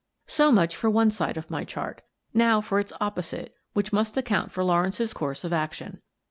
So much for one side of my chart Now for its opposite, which must account for Lawrence's course of action.